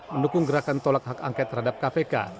mendukung gerakan tolak hak angket terhadap kpk